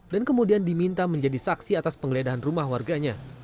dan kemudian diminta menjadi saksi atas penggeledahan rumah warganya